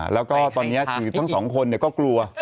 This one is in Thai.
แล้วก็ตอนนี้คือทั้งสองคนก็กลัว